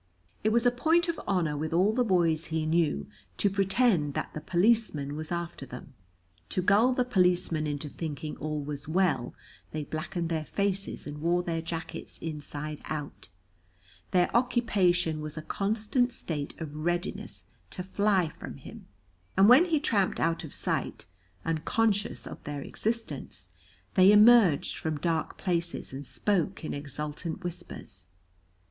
It was a point of honor with all the boys he knew to pretend that the policeman was after them. To gull the policeman into thinking all was well they blackened their faces and wore their jackets inside out; their occupation was a constant state of readiness to fly from him, and when he tramped out of sight, unconscious of their existence, they emerged from dark places and spoke in exultant whispers.